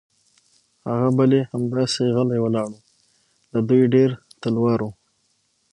هغه بل یې همداسې غلی ولاړ و، د دوی ډېر تلوار و.